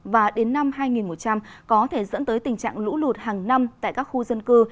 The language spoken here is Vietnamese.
và đến năm hai nghìn một trăm linh có thể dẫn tới tình trạng lũ lụt hàng năm tại các khu dân cư